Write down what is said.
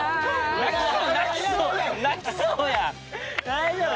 大丈夫！